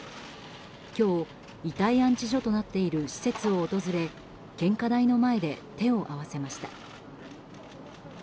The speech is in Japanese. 今日、遺体安置所となっている施設を訪れ献花台の前で手を合わせました。